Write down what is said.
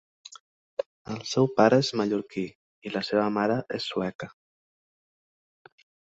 El seu pare és mallorquí i la seva mare és sueca.